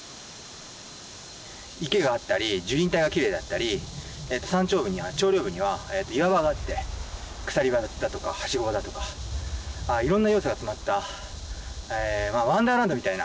池があったり樹林帯がきれいだったり山頂部には岩場があって鎖場だとかハシゴだとかいろんな要素が詰まったワンダーランドみたいな。